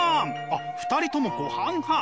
あっ２人ともごはん派！？